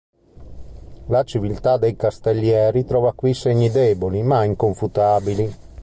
La civiltà dei castellieri trova qui segni deboli, ma inconfutabili.